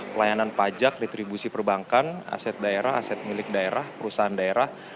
pelayanan pajak retribusi perbankan aset daerah aset milik daerah perusahaan daerah